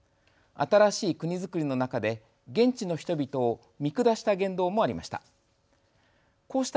新しい国づくりの中で現地の人々を見下した言動もありました。